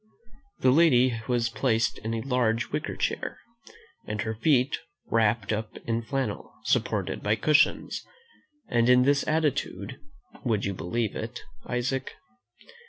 The lady was placed in a large wicker chair, and her feet wrapped up in flannel, supported by cushions; and in this attitude would you believe it, Isaac?